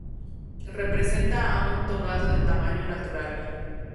Representa a un togado de tamaño natural.